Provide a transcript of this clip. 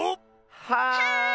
はい！